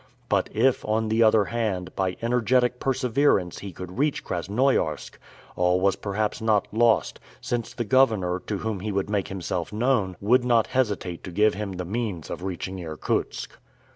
But if, on the other hand, by energetic perseverance he could reach Krasnoiarsk, all was perhaps not lost, since the governor, to whom he would make himself known, would not hesitate to give him the means of reaching Irkutsk.